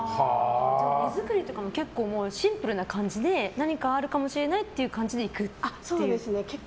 荷造りとかも結構シンプルな感じで何かあるかもしれないって感じで行くっていう？